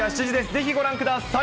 ぜひご覧ください。